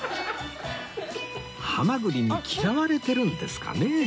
ハマグリに嫌われてるんですかね？